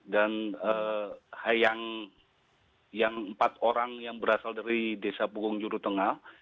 dan yang empat orang yang berasal dari desa pogong jurutengah